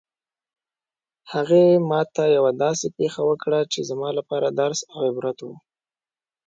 هغې ما ته یوه داسې پېښه وکړه چې زما لپاره درس او عبرت شوه